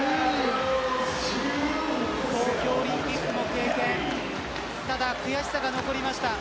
東京オリンピックも経てただ悔しさが残りました。